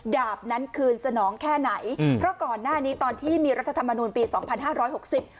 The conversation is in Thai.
ดาบนั้นคืนสนองแค่ไหนอืมเพราะก่อนหน้านี้ตอนที่มีรัฐธรรมนูลปีสองพันห้าร้อยหกสิบ